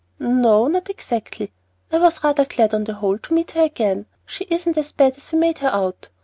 "N o, not exactly. I was rather glad, on the whole, to meet her again. She isn't as bad as we made her out.